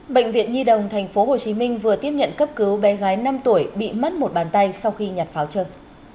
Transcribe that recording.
bệnh viện nhi đồng tp hcm vừa tiếp nhận cấp cứu bé gái năm tuổi bị mất một bàn tay sau khi nhặt pháo chân